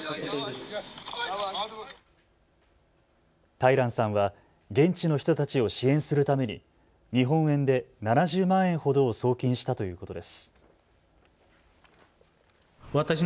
タイランさんは現地の人たちを支援するために日本円で７０万円ほどを送金したということです。